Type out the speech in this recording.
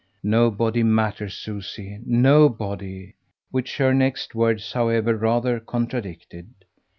"Nobody matters, Susie. Nobody." Which her next words, however, rather contradicted.